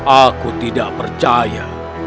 aku tidak percaya